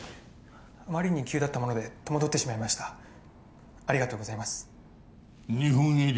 あまりに急だったもので戸惑ってしまいましたありがとうございます日本医療